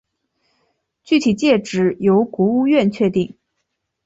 具体界址由国务院确定。